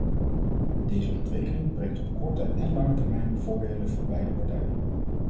Deze ontwikkeling brengt op korte en lange termijn voordelen voor beide partijen.